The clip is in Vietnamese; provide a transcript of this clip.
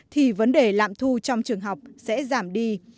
thì vấn đề lạm thu trong trường học sẽ giảm đi